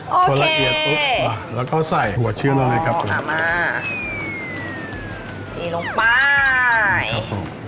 โอเคแล้วก็ใส่หัวเชื้อเราเลยครับอ๋ออ่ามาตีลงไปครับผม